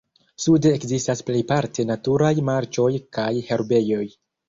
Sude ekzistas plejparte naturaj marĉoj kaj herbejoj.